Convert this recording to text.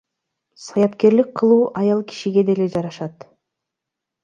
Саяпкерлик кылуу аял кишиге деле жарашат